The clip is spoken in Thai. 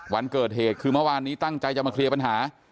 วันเกิดเหตุคือเมื่อวานนี้ตั้งใจจะมาเคลียร์ปัญหา